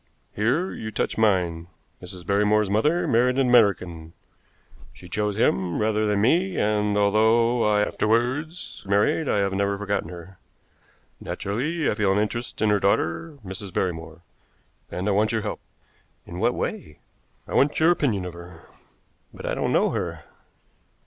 Here you touch mine. Mrs. Barrymore's mother married an American. She chose him rather than me, and, although I afterwards married, I have never forgotten her. Naturally, I feel an interest in her daughter, Mrs. Barrymore, and I want your help." "In what way?" "I want your opinion of her." "But I don't know her."